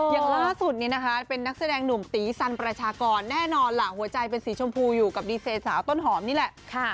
อย่างล่าสุดนี้นะคะเป็นนักแสดงหนุ่มตีสันประชากรแน่นอนล่ะหัวใจเป็นสีชมพูอยู่กับดีเซสาวต้นหอมนี่แหละ